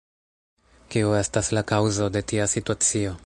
Kiu estas la kaŭzo de tia situacio?